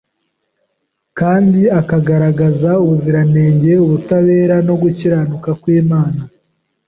kandi akagaragaza ubuziranenge, ubutabera no gukiranuka kw’Imana.